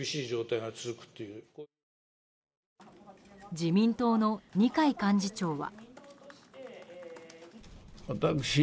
自民党の二階幹事長は。